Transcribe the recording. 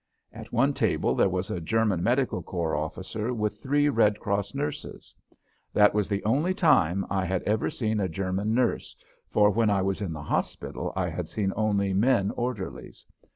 At one table there was a German medical corps officer with three Red Cross nurses. That was the only time I had ever seen a German nurse, for when I was in the hospital I had seen only men orderlies.